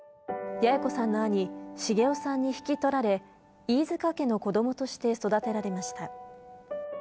八重子さんの兄、繁雄さんに引き取られ、飯塚家の子どもとして育てられました。